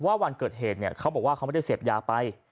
วันเกิดเหตุเขาบอกว่าเขาไม่ได้เสพยาไป